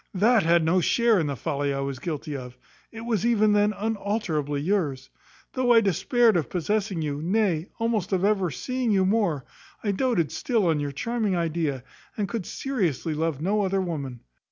That had no share in the folly I was guilty of; it was even then unalterably yours. Though I despaired of possessing you, nay, almost of ever seeing you more, I doated still on your charming idea, and could seriously love no other woman.